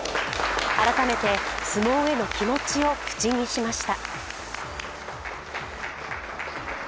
改めて相撲への気持ちを口にしました。